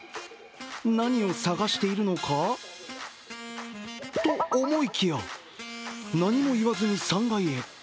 何を探しているのか？と、思いきや、何も言わずに３階へ。